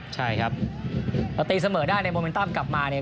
ถ้าตีเสมอได้ในโมเมนตัมกลับมาเนี่ย